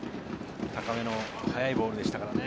高めの速いボールでしたからね。